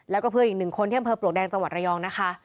แล้วก็เพื่อนอีกหนึ่งคนที่อำเภอปลวกแดงจังหวัดระยองนะคะ